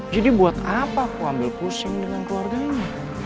jadi buat apa aku ambil pusing dengan keluarganya